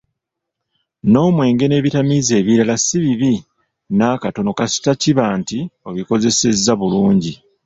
N'omwenge n'ebitamiiza ebirala si bibi n'akatona kasita kiba nti obikozesezza bulungi.